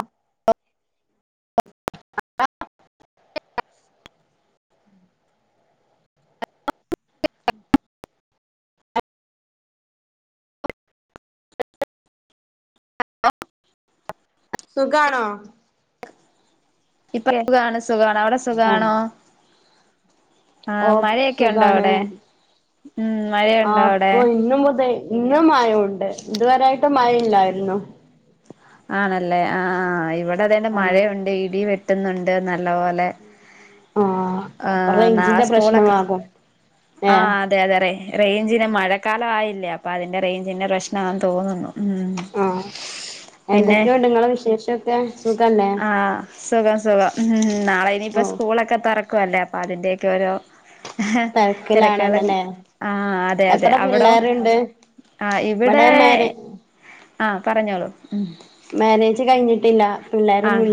അ [unintelligible] സുഖാണോ ഇപ്പൊലെ സുഖാണ് സുഖാണ് അവിടെ ആഹ് സുഖാണോ ആ ഓ മഴയൊക്കെ ഉണ്ടോ സുഖാണ് അവിടെ ഉം ആ മഴയുണ്ടോ അവിടെ അപ്പൊ ഇന്നു മുതേ ഇന്നും മയയൊണ്ട് ഇതുവരായിട്ടും മഴയില്ലായിരുന്നു ആണല്ലേ ആ ആ ഇവ ഇത അതന്നെ ആഹ് മഴയുണ്ട് ഇടി വെ ട്ടുന്നുണ്ട് ന്ന [unintelligible] ആഹ് ആ അപ്പ റൈഞ്ചിന്റെ പ്രശ്നമാകും. ഏഹ് ആഹ് അതെ അതെതെ. അ റേഞ്ചിന് മഴക്കാലമായില്ലേ അപ്പൊ അതിന്റെ റേഞ്ചിന്റെ പ്രശ്നമാന്ന് തോന്നുന്നു. ആഹ് പിന്നെ എന്തൊക്കെയുണ്ട് നിങ്ങളെ വിശേഷൊക്കെ സുഖല്ലേ? ആഹ് സുഖം സുഖം ഹും നാളെ ഓ ഇനിപ്പ സ്കൂളൊക്കെ തൊറ ക്കല്ലേ അപ്പ അതിന്റെക്കെ ഓരോ ഹേ. തിരക്കാല തിരക്കിലാണല്ലോല്ലേ ആഹ് അതെ അതെ എത്ര അവിടോ പിള്ളേരുണ്ട്? ആ ഇവിടെ ആഹ് പറഞ്ഞോളു. കേട്ടില്ല. ആഹ്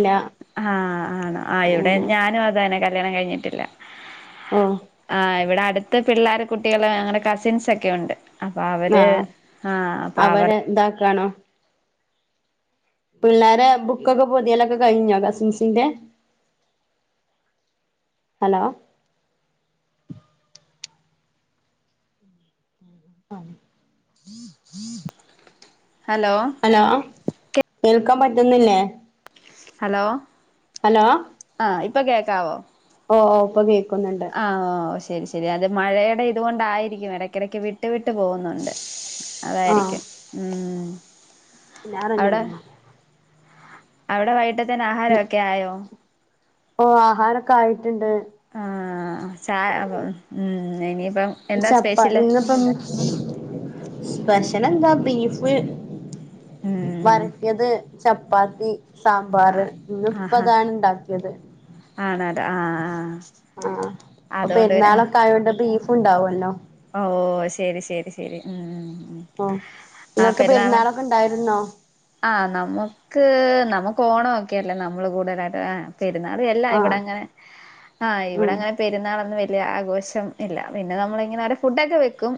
ആഹ് ആണോ ഇയിടെ അങ്ങനെ ഞാനും അതന്നെ ക കല്യാണം കഴിഞ്ഞിട്ടില്ല. ഓ ആഹ് ഇവിടെ അട് പത്ത് പിള്ളേർ കുട്ടികള് അങ്ങനെ കസിൻസ് ഒക്കെ ഉണ്ട്. അപ്പൊ അവര് ആഹ് അപ്പ അവർ ക്കാണോ. പിള്ളേരെ ബുക്കൊക്കെ പൊതിയാലൊക്കെ കഴിഞ്ഞോ കസിൻസിന്റെ ഹലോ. ഹലോ [unintelligible] ഹലോ കേൾ ക്കാൻ പറ്റുന്നില്ലേ ഹലോ ഹലോ ഇപ്പ കേക്കാവോ ഓ ഓ പ്പ കേ ആ ഹോ ശരി ശരി അത് മഴയുടെ ഇതുകൊണ്ടായിരിക്കും എടക്കെടയ്ക്ക് വിട്ട് വിട്ട് ട്ട് പോകുന്നുണ്ട് അതായിരിക്കും ഊം ഞാൻ എന്റെ ഉമ്മമ്മ അവടെ വൈകീട്ട ത്തേന് ആഹാരൊക്കെ ആയോ ഓ ആഹാരൊക്ക ആയി ആഹ് ചായ ഹ് ഹും ഇനി ചപ്പ ഇന്നപ്പം മ് സ്പെഷലെന്താ ബീഫ് ഉം വരട്ടിയത് ചപ്പ് പ്പാത്തി സാമ്പാർ ഇന്ന് ഇപ്പ അതാ ഇ ണ്ടാക്കിയത് ആണ ആ ആഹ് ആഹ അപ്പൊ അതുകൊണ്ട് പിന്നെ പെരുന്നാളൊക്കെ ആയോണ്ട്പി ഫുണ്ടാവുവല്ലോ ഓ ശരി ശരി ശരി ഉം ഓ ആ നിങ്ങൾക്ക് പെരുന്നാള പെരുന്നാളൊക്കെ ഉണ്ടായിരുന്നോ ആഹ നമുക്ക് നമു ഓണോക്കെല്ലേ നമ്മള് കൂടുതലായിട്ട് ആ പെരുന്നാൾല്ല ഇവിടെ ആഹ് അങ്ങനെ ആഹ് ഇവിടെ ഉം അങ്ങനെ പെരുന്നാളോന്ന് വ ആഘോഷം ഇല്ല പിന്നെ നമ്മള് ഇങ്ങന ഫുഡക്കെ വെക്കും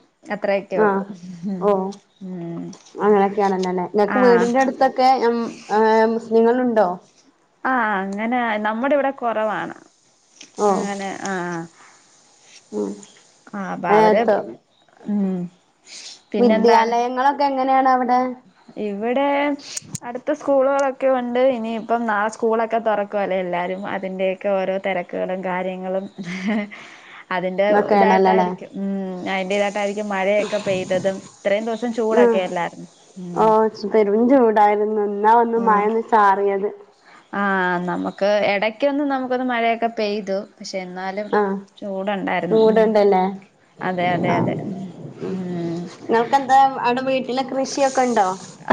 ആഹ ഓ ഉം അങ്ങനെയൊക്കെയാണെന്ലല്ലേ നിങ്ങക്ക് ആഹ് വീടിന്റെ അടുത്തൊക്കെ ആ് മുസ്ലിംങ്ങള് ഉണ്ടോ ആഹ അങ്ങനെ നമ്മുടെ ഇവിടെ കുറവാണ് ഓഹ് അങ്ങനെ ആഹ് ഉം ആ് അപ്പൊ അവര് ഏഹ് ഉം പിന്നെ ന്താണ് അങ്ങനെയാണ് അവിടെ ഇവടെ ഇവിടെ അടുത്ത് സ്കൂളുകളൊക്കെ ഉണ്ട് ഇനിയിപ്പം നാളെ സ്കൂളൊക്കെ തുറക്കുവല്ലേ എല്ലാരും അതിന്റെയൊക്കെ ഓരോ തിരക്കുകളും കാര്യങ്ങളും അതിന്റെ ഇങ്ങൊക്കെയാണല്ലോല്ലേ ഇതായിട്ടായിരിക്കും ഉ അതിൻന്റെ ഇതായിട്ടായിരിക്കും മഴയൊക്കെ പെയ്തതും ഇത്രയും ദിവസം ചൂടൊക്കെ അല്ലായിരുന്നു ഉം ഹ പെരുഞ്ചൂടായിരുന്നു [unintelligible] ഇന്നാ ഒന്നു മഴൊന്ന് ചാറിയത് ആ നമുക്ക് എടയ്ക്കൊന്നു നമുക്കൊന്ന് മഴയൊക്കെ പെയ്തു പക്ഷെ എന്നാലും ആഹ് ചൂടുണ്ടായിരുന്നു. ഉം ചൂടുണ്ടല്ലേ അതെ അതെ അതെ ഉം ട്ടില കൃഷിയൊ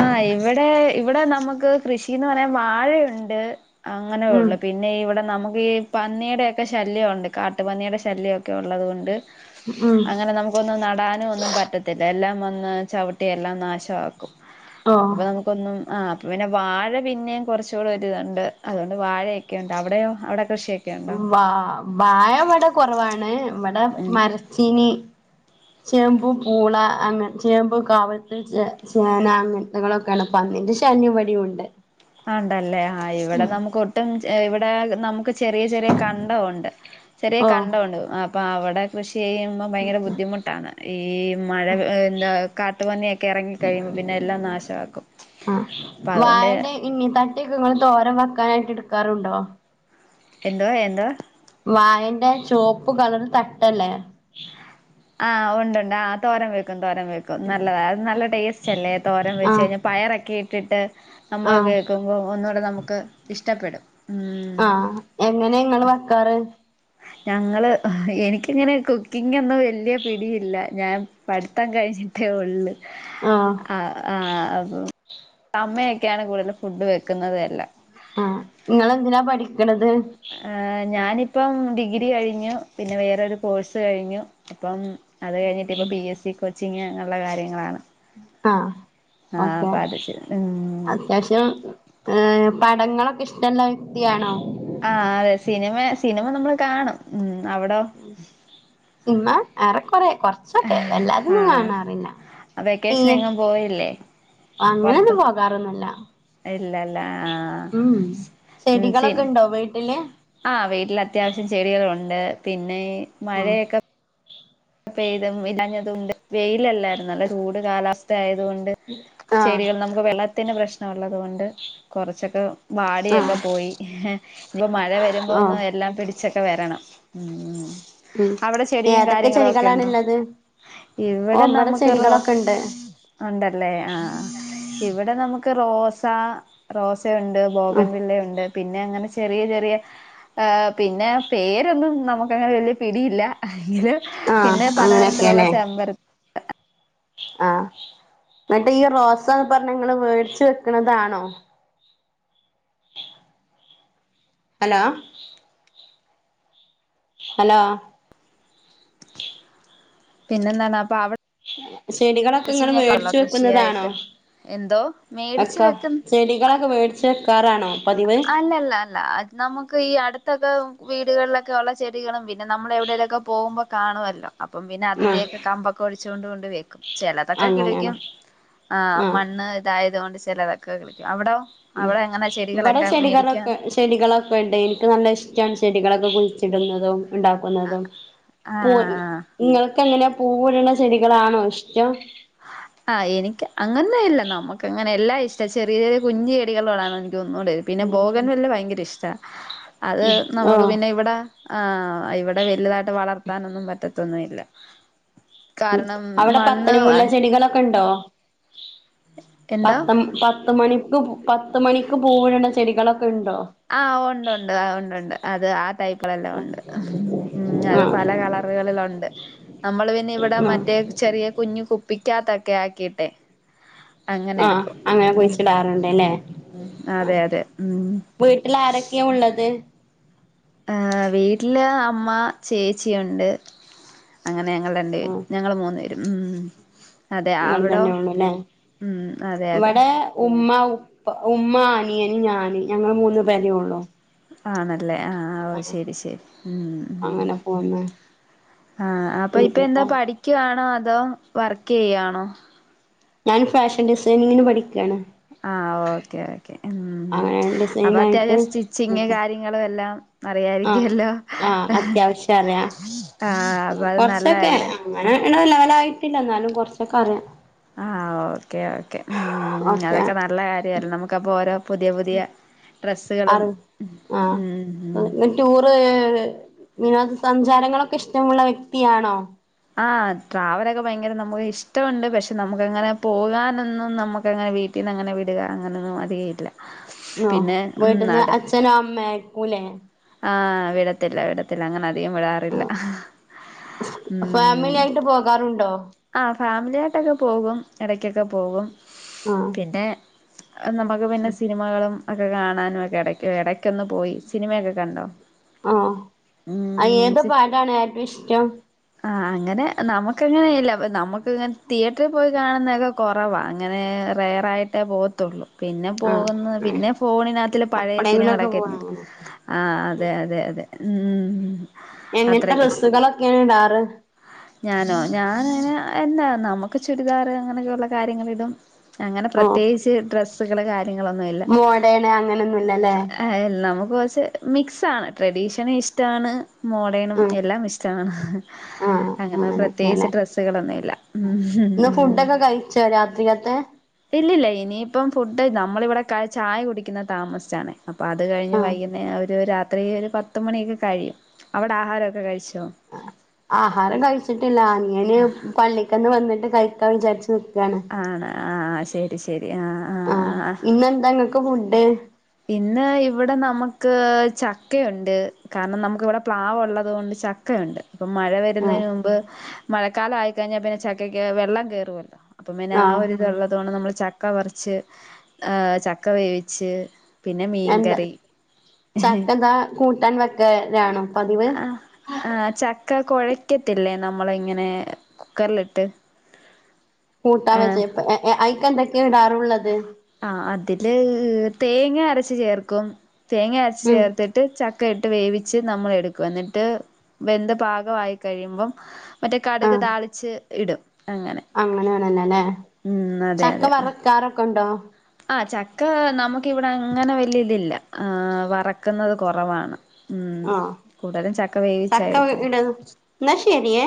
ആ ഇവിടെ ഇവിടെ നമുക്ക് കൃഷീന്ന് പറയാൻ വാഴയുണ്ട് അങ്ങനെ ഉം ഉള്ളു പിന്നെ ഇവിടെ നമുക്ക് ഈ പന്നിയുടെയൊക്കെ ശല്യവുണ്ട്. കാട്ടു പന്നിയുടെ ശല്യവൊക്കെ ഉള്ളത്കൊണ്ട് ഉം അങ്ങനെ നമുക്കൊന്നും ന ന ടാനും ഒന്നും പറ്റത്തില്ല. എല്ലാം വന്ന് ചവിട്ടിയല്ലാം നാശമാക്കും ഓഹ് അപ്പൊ നമുക്കൊന്നും ആ അപ്പം പിന്നെ വാഴ പിന്നെയും കുറച്ചുകൂടെ ഒരുഇതുണ്ട് അതുകൊണ്ട് വാഴയൊക്കെയൊണ്ട് അവിടെയോ അവിടെ കൃഷി വ ബാഴ ഇവിടെ കുറവാ ണ് മ്മടെ ഉം മരച്ചീനി ചേമ്പു പൂള അങ്ങെ ചേമ്പു കാവത്ത് ച ചേന അങ്ങനത്തകളൊക്കെയാണ് പന്നിന്റെ ശല്യ ഇവിടെയും ഉണ്ട് അണ്ടല്ലേ അ ഇവിടെ ഉം നമുക്ക് ഒട്ടും ഇവിടെ നമുക്ക് ചെറിയ ചെറിയ കണ്ഠം ഉണ്ട് ചെറിയ ഓ കണ്ടോണ്ട് ആ പ്പ അവിടെ കൃഷി ചെയ്യുമ്പോ ഭയങ്കര ബുദ്ധിമുട്ടാണ് ഈ മഴ എന്താ കാട്ടുപന്നിയ കെറങ്ങി കഴിയുമ്പോ പിന്നെ എല്ലാം നാശമാക്കും അപ്പൊ അതുകൊണ്ട് ണ്ടിക് ങ്ങള് തോരൻ വെക്കാനായിട്ട് എടുക്കാറുണ്ടോ എന്തുവാ എന്തുവാ വായന്റെ ചോപ്പ് കളർ തട്ടല്ലേ ആഹ് ഉണ്ട് ആ തോരം വെക്കും തോരം വെക്കും നല്ലത അത് നല്ല ടേസ്റ്റ് അല്ലേ തോരൻ ആ വെച്ച് കഴിഞ്ഞാ പയറൊക്കെ ചിട്ട് ആ നമ്മൾ കേൾക്കുമ്പോ ഒന്നുടെ നമുക്ക് ഇഷ ടപ്പെടും അഹ് എങ്ങനെ നിങ്ങൾ വെക്കാറ് ഞങ്ങള് എനിക്കിങ്ങനെ കുക്കിംങ്ങ് ഒന്നും വ വലിയ പിടിയില്ല ഞാൻ പഠിത്തം കഴിഞ്ഞിട്ടേ ഉള്ള് ആ അ ആ ആ അമ്മയൊക്കെയാണ് കൂടുതൽും ഫുഡ് വെക്കുന്നത് എല്ലാം അഹ് നിങ്ങൾന്തിനാ പഠി ഉഹ് ഞാനി ഇപ്പം ഡിഗ്രി കഴിഞ്ഞു പിന്നെ വേറൊരു കോഴ്സ് കഴിഞ്ഞു ഇപ്പം അത് കഴിഞ്ഞിട്ട ഇപ്പം P S C coaching നല്ല കാര്യങ്ങളാണ് ആ ആ ഓക്കെ അപ്പൊ അത് ചെയ്യ ഉം അത്യാവശ്യം ഏ പടങ്ങളൊക്കെ ഇഷ്ട്ടുള്ള വ്യക്തിയാണോ ആ അതെ സിനിമ സിനിമ നമ്മൾ കാണും ഉ അവിടോ [unintelligible] കൊറേ കൊറച്ചൊക്കെ ആ വല്ലാതൊന്നും കാണാറില്ല വെക്കേഷൻ [unintelligible] എങ്ങും പോയില്ലേ അങ്ങനെ പുറത്ത് ഒന്നും പോകാറൊന്നുല്ല ഇല്ലല്ല ആഹ് ഉം ചെടികളൊക്കെ ഉണ്ടോ വീട്ടില് ആ വീട്ടിൽ അത്യാവശ്യം ചെടികളുണ്ട് പിന്നെ ആഹ് മഴയക്ക പെയ്യ്തും [unintelligible] ണ്ട് വെയിലല്ലായിരുന്നോ നല്ല ചൂട് കാലാവസ് അതുകൊണ്ട് ചെടികൾ ആഹ് നമുക്ക് വെള്ളത്തിന് പ്രശ്ന ള്ളതുകൊണ്ട് കൊറച്ചൊക്കെ വാടിയൊക്കെ പോയി [unintelligible] മഴ വരുമ്പോ ഒന്നും ആഹ് എല്ലാം പിടി [unintelligible] വരണം ഉം ഉം അവിടെ ചെടിയും ഏതൊക്കെ ചെടി [unintelligible] ഇവിടെ നമക്ക് റോ ചെടികളൊക്കെ ഉണ്ട് ഉണ്ടല്ലേ ആ ഇവിടെ നമ [unintelligible] റോസാ റോസ [unintelligible] ഇണ്ട്, ഉം ബോഗൻവില്ല ഇണ്ട്. പിന്നെ അങ്ങനെ ചെറിയ ചെറിയ ആ പിന്നെ പേരൊന്നും നമുക്ക് അങ്ങനെ വലിയ പിടിയില്ല [unintelligible] ആ പലതരത്തിലുള്ള അങ്ങനെയൊക്കെയല്ലേ. ചെമ്പര ആ എന്നിട്ട് ഈ റോസാ പറഞ്ഞ നിങ്ങള് മേടിച്ച് വെക്കണതാണോ? ഹലോ ഹലോ പിന്നെ എന്താണ് അപ്പ അവ് ചെടികളൊക്കെ നിങ്ങള് മേടിച്ച് വെക്കുന്നതാണോ കൃഷിയായിട്ട് എന്തോ അക്ക മേടിച്ച് വെക്കും ചെടികളൊക്കെ മേടിച്ച് ട്ടാരാണോ? അല്ലല്ലാ അല്ല അത് നമുക്ക് ഈ അടുത്തൊക്കെ വീടുകളിലൊക്കെ ഒള്ള ചെടികളും പിന്നെ നമ്മൾ എവിടെലൊക്കെ പോമ്പോ കാണുമല്ലോ. അപ്പം പിന്നെ ആ അതിന്റെ ഒക്കെ കമ്പൊക്കെ ഒടിച്ചുകൊണ്ട് കൊണ്ട് വെക്കും ചെലതൊക്കെ അങ്ങനെയാണ് കിളിക്കും ആ മണ്ണ് ഇതായതുകൊണ്ട് ചെലതൊക്കെ കിളിക്കൂ, അവിടോ? ഉം അവടെ എങ്ങനാ ചെടികള് ഇവിടെ ചെടികളൊക്കെ ചെടികളൊക്കെ ഇണ്ട് എനിക്ക് നല്ല ഇഷ്ടാ ചെടികളൊക്കെ കുഴിച്ചിടുന്നതും ഉണ്ടാക്കുന്നതും ആ [unintelligible] നിങ്ങൾക്ക് എങ്ങനാ? പൂവിടണ ചെടികളാണോ ഇഷ്ടം? ആ എനിക്ക് അങ്ങെന്നില്ല നമ്മുക്ക് അങ്ങനെ എല്ലാം ഇഷ്ടം ചെറിയ ചെറിയ കുഞ്ഞ് ചെടികളോടാണെനി ക്കൊന്നൂടെത് പിന്നെ ബോഗൻ വില്ല ഭയങ്കര ഇഷ്ടാ. അത് ഓ നമുക്ക് പിന്നെ ഇവിടെ ആഹ് ഇവിടെ വലുതായിട്ട് വളർത്താനൊന്നും പറ്റത്തൊന്നുമില്ല. ഉം കാരണം അവിടെ മണ്ണ് പത്തന് മുല്ല ചെടികളൊക്കെ ഉണ്ടോ? എന്താ പത്ത പത്ത് മണി ക്ക് പത്ത് മണിക്ക് പൂവിടണ ചെടികളൊ ആഹ് ഉണ്ട് ഉണ്ട് ആ ഉണ്ട്ണ്ട് അത് ആ ടൈപ്പ് ക്കളെല്ല ഉണ്ട് ഉം ആ അത് പല കളറുകളിലുണ്ട് നമ്മൾ പിന്നെ ഇവിടെ ആ മറ്റേ ചെറിയ കുഞ്ഞു കുപ്പി ക്കാത്തക്കെ ആക്കിട്ടെ അങ്ങനെ ആ എടുക്കും അങ്ങനെ ഉം കുഴിച്ചിടാറുണ്ട് അല്ലേ അതെ അത ഉം ട്ടിലാരൊക്കെയാ ഉള്ളത്? ആ വീട്ടില് അമ്മ, ചേച്ചിയുണ്ട് അങ്ങനെ ഞങ്ങൾ രണ്ട് പേര് ആ ഞങ്ങള് മൂന്ന്പേര്. ഉം അതെ നിങ്ങൾ അവിടോ തന്നെണല്ലേ ഉം അതെ അതെ ഇവിടെ ഉമ്മ ഉമ്മ അനിയൻ ഞാന് ഞങ്ങൾ മൂന്നു പേരേ ഉള്ളു ആണൽ ല്ലെ ആ ഓ ശരി ശരി ഉ അങ്ങനെ പോന്ന് ആ അപ്പൊ ഇപ്പ പിന്നെ എന്താ പഠിക്കവാണോ അതോ വർക്ക് ചെയ്യാണോ ഞാൻ ഫാഷൻ ഡിസൈനിങ്ങിന് പഠിക് ആ ഓക്കേ ഓക്കേ അങ്ങനെ ഡിസൈൻ ആയിട്ട് സ്റ്റിച്ചിങ് കാര്യങ്ങളും എല്ലാം ആ അറിയായിരിക്കുവല്ലോ ആ അത്യാവശ്യം അറിയ ആഹ് അപ്പൊ അത് കൊറച്ചൊക്കെ നല്ലതല്ലേ അങ്ങനെ ങ്ങനെ ലെവലായിട്ടില്ല എന്നാലും കുറച്ചൊക്കെ അറിയാം ആ ഓക്കെ ഓക്കേ ഉം അതൊക്കെ നല്ല കാര്യ നമുക്കപ്പൊ ഓരോ പുതിയ പുതിയ അ ഡ്രസ്സുകളും ആ ഉം ഉം ന്നെറ്റ് ടൂറ് നാ സഞ്ചാരങ്ങളൊക്കെ ഇഷ്ടമുള്ള വ്യക്തിയാണോ ആ ട്രാവലൊക്കെ ഭയങ്കര നമുക്ക് ഇഷ്ടമുണ്ട് പക്ഷെ നമുക്ക്ങ്ങനെ പോകാനൊന്നും നമുക്ക് അങ്ങനെ വീട്ടിൽ നിന്ന് അങ്ങനെ വിടുക അങ്ങനെയൊന്നും അധികമായിട്ടല്ല ആ വീട്ടിന്ന് അച്ഛനും അമ്മ ഉലെ ആ വിടത്തില്ല വിടത്തില്ല അങ്ങനെ ധികം വിടാറില്ല ഉം ഫാമിലി ആയിട്ട് പോകാറുണ്ടോ ആ ഫാമ് [unintelligible] ആയിട്ടൊക്കെ പോകും ഇട [unintelligible] പോകും ആഹ് പിന്നെ നമുക്ക് പിന്നെ സിനിമകളും ഒക്കെ കാണാനും ഒക്കെ ഇടക്ക് ഇട ന്ന് പോയി സിനിമയക്കെ ആ അ ഏതൊ പാട്ടാണ് ഏറ്റവും ഇഷ്ടം ആ അങ്ങനെ നമുക്കങ്ങനെല്ല നമുക്കിങ്ങനെ തിയേറ്ററിൽ പോയി കാണുന്നതൊക്കെ കുറവാ അങ്ങനെ റെയറായിട്ടേ പോകത്തുള്ളൂ പിന്നെ ആഹ് പോകുന്ന പിന്നെ ഫോണിനകത്തില് പഴയ എപ്പളെങ്കിലൊക്കെ പോവാ സിനിമകളൊക്കെയിരുന്നു അങ്ങനെ ആ അതെ അതെ അതെ ഉം എങ്ങനത്തെ അത്രയ്ക്ക് ട്രസ്സുകളെക്കെയാണ് ഇടാറ് ഞാനോ ഞാനനെ എന്താ നമുക്ക് ചുരിദാർ അങ്ങനെയൊക്കെയുള്ള കാര്യങ്ങളിടും. അങ്ങനെ ഓ പ്രത്യേകിച്ച് ഡ്രസ്സ് മോഡേണ് അങ്ങനൊന്നുല്ലല്ലേ [unintelligible] [unintelligible] മിക്സാണ് ട്രഡീഷന് ഇഷ്ടാണ് മോഡേണും ഉം എല്ലാം ഇഷ്ടാണ് ആഹ് അങ്ങനെ പ്രത്യേകിച്ച് അങ്ങനെയൊക്കെയല്ലേ ഡ്രെസ്സുകളൊന്നുമില്ല ഉം ഇന്ന് ഉം ഫുഡൊക്കെ കഴിച്ചോ രാത്രികത്തെ ഇല്ലല്ല ഇനിയിപ്പം ഫു ട് നമ്മളിവിടെ ക ചായ കുടിക്കുന്ന താമസിച്ചാണേ അപ്പ അത് കഴിഞ്ഞ് ആഹ് വൈകുന്നേരം ഒരു രാ അത്ര ഒരു പത്തുമണിയൊക്കെ കഴിയും അവിടെ ആഹാരമൊക്കെ കഴിച്ചോ. ആഹാരം കഴിച്ചിട്ടി അനിയന് പള്ളിക്കന്ന് വന്നിട്ട് കഴി [unintelligible] ആണ് ആ ശരി ശരി ആഹ് ആഹ് ആഹ് ഇന്നെന്താ ഇങ്ങക്ക് ഫുഡ് പിന്നെ ഇവിടെ നമുക്ക് ചക്കയുണ്ട് കാരണം നമുക്ക് ഇവിടെ പ്ലാവ്ള്ളത് കൊണ്ട് ചക്കയുണ്ട്. ഇപ്പം മഴ ആഹ് വരുന്നതിന് മുമ്പ് മഴക്കാലം ആയി കഴിഞ്ഞാൽ പിന്നെ ചക്കയ്ക്ക് വെള്ളം കയറുവല്ലോ അപ്പം പിന്നെ ആ ആഹ് ഒരിതള്ള അത് കൊണ്ട് നമ്മൾ ചക്ക വറിച്ച് ചക്ക വേവിച്ച് പിന്നെ എന്ത മീൻകറി ചക്കെന്താ കൂടി തൻവ രാ രാണോ പതിവ് ക്ക കൊഴയ്ക്കത്തില്ലേ നമ്മളിങ്ങനെ കുക്കറിലിട്ട് [unintelligible] ട്ടാ വെചേ ആ പ്പൊ അയ്ക്കെന്തൊ കെ വിടാറുള്ളത് ആ അതില് ഏ തേങ്ങ അരച്ച് ചേർക്കും തേങ്ങ അരച്ച് ഉം ചേർത്തിട്ട് ചക്ക ഇ ട്ട് വേവിച്ച് നമ്മൾ എടുക്കും എന്നിട്ട് വെന്ത് പാകവായി കഴിയുമ്പം മറ്റെ കടുക് താളിച്ച് ഇടും അങ്ങനെ വേണല്ലലെ ഉം ചക്ക വർക്കാറൊക്കെണ്ടോ ആ ചക്കാ നമു ഇവിടെ അങ്ങന വല്യലില്ല ആഹ് വറക്ക്ന്നത് കൊറവാണ് ഉം ആഹ് കൂടുതലും ചക്ക വേവിച്ചാ ചക്ക എടുക്ക്ന്നെ ഇട എന്നാ ശരിയേ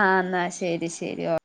ആഹ് ന്നാ ശെ ശരി ശരി ഓ